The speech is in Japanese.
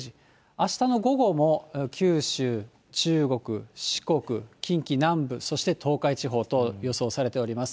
あしたの午後も九州、中国、四国、近畿南部、そして東海地方と予想されております。